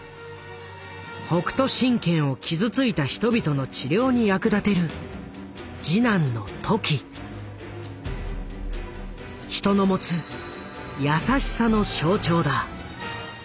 北斗神拳を傷ついた人々の治療に役立てる人の持つ「優しさ」の象徴だ。